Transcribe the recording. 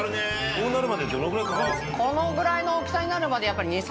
こうなるまでどのぐらいかかるんですか？